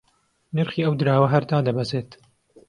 نرخی ئەو دراوە هەر دادەبەزێت